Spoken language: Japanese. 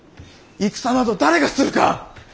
戦など誰がするか！